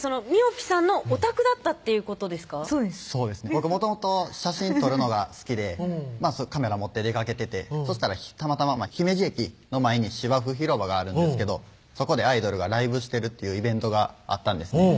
僕もともと写真撮るのが好きでカメラ持って出かけててそしたらたまたま姫路駅の前に芝生広場があるんですけどそこでアイドルがライブしてるっていうイベントがあったんですね